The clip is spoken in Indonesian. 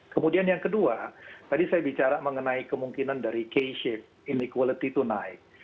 kemudian yang kedua tadi saya bicara mengenai kemungkinan dari k shift inequality itu naik